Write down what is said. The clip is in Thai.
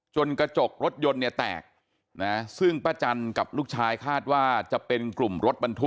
กระจกรถยนต์เนี่ยแตกนะซึ่งป้าจันกับลูกชายคาดว่าจะเป็นกลุ่มรถบรรทุก